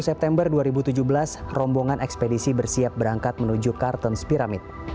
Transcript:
dua puluh september dua ribu tujuh belas rombongan ekspedisi bersiap berangkat menuju kartens piramid